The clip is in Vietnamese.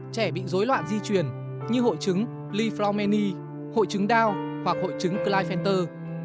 trẻ bị dối loạn di truyền như hội chứng li flaumeni hội chứng dow hoặc hội chứng glyphenter